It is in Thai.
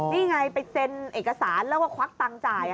นี่ไงไปเซ็นเอกสารแล้วก็ควักตังค์จ่าย